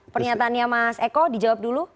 pernyataannya mas eko dijawab dulu